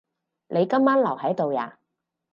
你今晚留喺度呀？